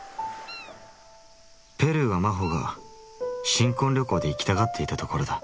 ペルーは真帆が新婚旅行で行きたがっていたところだ。